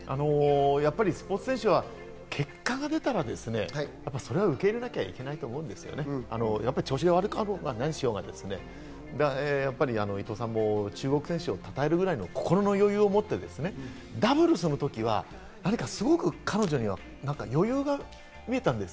やっぱりスポーツ選手は結果が出たらそれは受け入れなきゃいけないと思うんですね、調子が悪かろうが何しようが。やっぱり伊藤さんも中国選手をたたえるぐらいの心の余裕を持って、ダブルスの時は彼女には余裕が見えた。